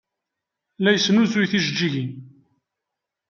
La yesnuzuy tijeǧǧigin.